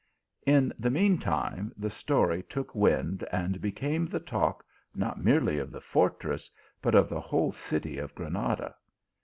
In the mean time the story took wind, and became the talk not merely of the fortress, but of the whole city of Granada!